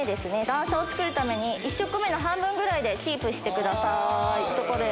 段差を作るために１色目の半分ぐらいでキープしてください。